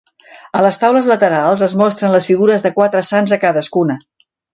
A les taules laterals es mostren les figures de quatre sants a cadascuna.